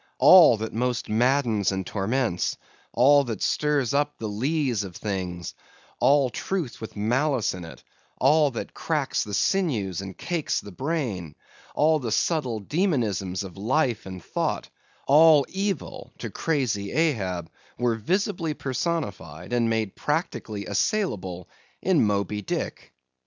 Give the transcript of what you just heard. All that most maddens and torments; all that stirs up the lees of things; all truth with malice in it; all that cracks the sinews and cakes the brain; all the subtle demonisms of life and thought; all evil, to crazy Ahab, were visibly personified, and made practically assailable in Moby Dick.